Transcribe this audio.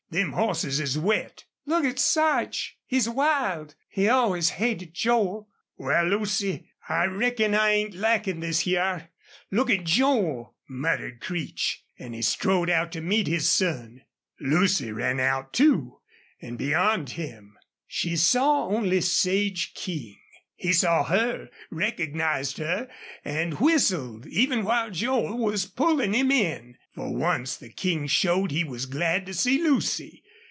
"Them hosses is wet." "Look at Sarch! He's wild. He always hated Joel." "Wal, Lucy, I reckon I ain't likin' this hyar. Look at Joel!" muttered Creech, and he strode out to meet his son. Lucy ran out too, and beyond him. She saw only Sage King. He saw her, recognized her, and, whistled even while Joel was pulling him in. For once the King showed he was glad to see Lucy.